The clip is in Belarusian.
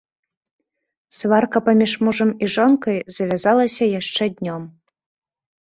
Сварка паміж мужам і жонкай завязалася яшчэ днём.